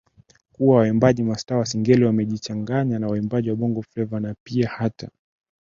kuwa waimbaji mastaa wa Singeli wamejichanganya na waimbaji wa Bongo Flava na pia hata